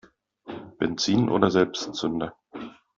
Benzin oder Selbstzünder?